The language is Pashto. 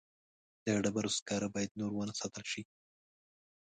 د ډبرو سکاره باید نور ونه ساتل شي.